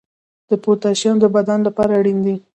د پوتاشیم د بدن لپاره اړین دی.